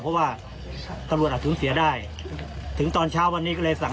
เพราะว่าตำรวจอาจสูญเสียได้ถึงตอนเช้าวันนี้ก็เลยสั่ง